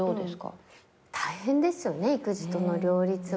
大変ですよね育児との両立は。